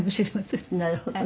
なるほど。